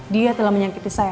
dia telah menyakiti saya